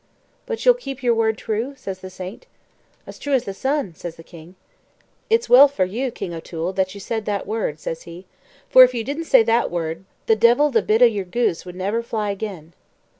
"But you'll keep your word true?" says the saint. "As true as the sun," says the king. "It's well for you, King O'Toole, that you said that word," says he; "for if you didn't say that word, the devil the bit o' your goose would ever fly agin."